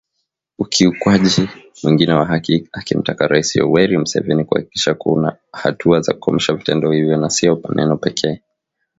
Ukiukwaji mwingine wa haki akimtaka Rais Yoweri Museveni kuhakikisha kuna hatua za kukomesha vitendo hivyo na sio maneno pekee